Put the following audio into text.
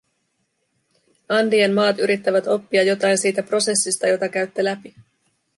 Andien maat yrittävät oppia jotain siitä prosessista, jota käytte läpi.